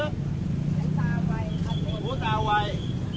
หูตาไวหูตาไว